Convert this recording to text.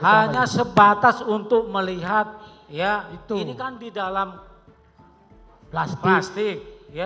hanya sebatas untuk melihat ya ini kan di dalam plastik plastik